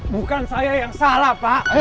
bukan saya yang salah pak